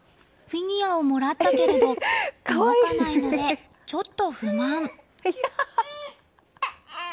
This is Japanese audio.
フィギュアをもらったけれど動かないのでちょっと不満。